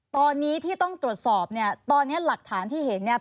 ตอนนี้ที่ต้องตรวจสอบเนี่ยตอนนี้หลักฐานที่เห็นเนี่ย